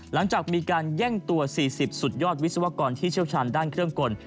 หลังจากมีการแย่งตัว๔๐สุดยอดวิศวกรที่เชี่ยวชาญด้านเครื่องกล